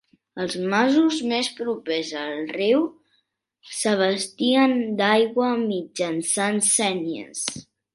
Els masos més propers al riu s'abastien d'aigua mitjançant sénies.